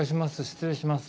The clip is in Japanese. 失礼します。